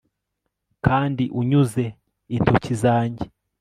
kandi unyuze intoki zanjye